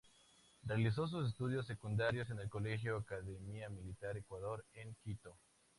Realizó sus estudios secundarios en el colegio Academia Militar Ecuador, en Quito.